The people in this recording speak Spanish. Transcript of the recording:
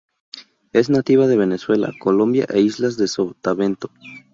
Es nativa de Venezuela, Colombia e Islas de Sotavento.